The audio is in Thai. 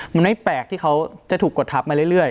มันไม่แปลกที่เขาจะถูกกดทับมาเรื่อย